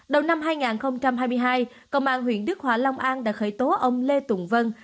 đầu năm hai nghìn hai mươi hai công an huyện đức hòa long an đã khởi tố ông lê tùng vân